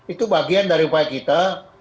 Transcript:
itu bagian dari upaya kita